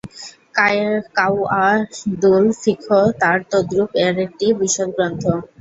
কাওয়াইদুল্ ফিক্হ তাঁর তদ্রূপ আর একটি বিশদ গ্রন্থ।